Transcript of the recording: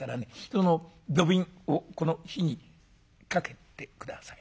その土瓶をこの火にかけて下さい。